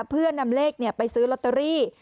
เพื่อนำเลขไปซื้อลอตเตอรี่